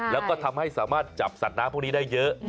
แล้วก็ทำให้สามารถจับสัตว์น้ำพวกนี้ได้เยอะ